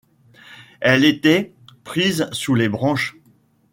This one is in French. Elle était, prise. sous les branches -